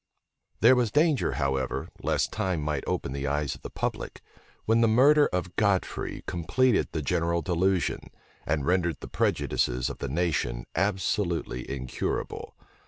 There was danger, however, lest time might open the eyes of the public; when the murder of Godfrey completed the general delusion, and rendered the prejudices of the nation absolutely incurable.